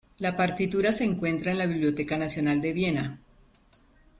La partitura se encuentra en la Biblioteca Nacional de Viena.